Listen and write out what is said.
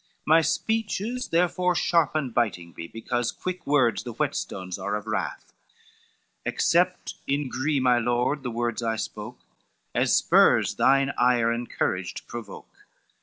My speeches therefore sharp and biting be, Because quick words the whetstones are of wrath,— Accept in gree, my lord, the words I spoke, As spurs thine ire and courage to provoke.